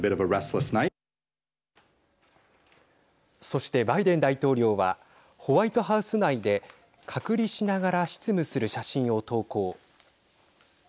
そして、バイデン大統領はホワイトハウス内で隔離しながら執務する写真を投稿。